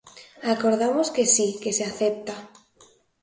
Acordamos que si, que se acepta.